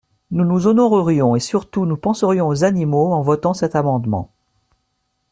Nous nous honorerions et, surtout, nous penserions aux animaux en votant cet amendement.